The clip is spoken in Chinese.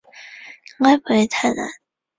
应该不会太难